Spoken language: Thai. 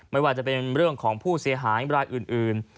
ไม่ว่าจะเป็นเรื่องของผู้เสียหายรายอื่น